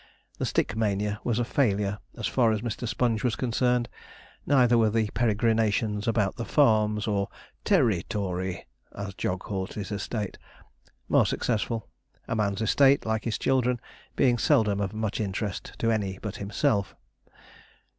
The stick mania was a failure, as far as Mr. Sponge was concerned. Neither were the peregrinations about the farms, or ter ri to ry, as Jog called his estate, more successful; a man's estate, like his children, being seldom of much interest to any but himself.